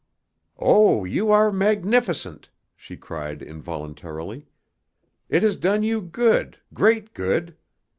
"Oh, you are magnificent!" she cried involuntarily. "It has done you good, great good.